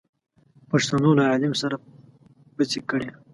پښتنو له عليم سره پڅې کړې.